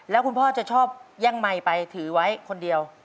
แล้วคุณพ่อจะชอบแย่งไมค์ไปถือไว้คนเดียว